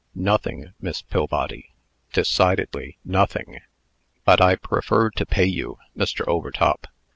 "Nothing, Miss Pillbody; decidedly nothing." "But I prefer to pay you, Mr. Overtop.